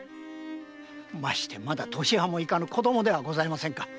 ましてまだ年端もいかぬ子供ではございませんか。